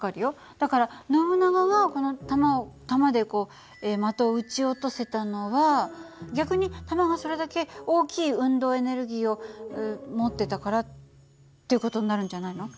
だからノブナガはこの弾を弾でこう的を撃ち落とせたのは逆に弾がそれだけ大きい運動エネルギーを持ってたからっていう事になるんじゃないの？